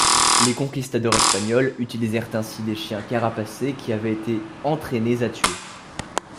Les conquistadors espagnols utilisèrent ainsi des chiens carapacés qui avaient été entraînés à tuer.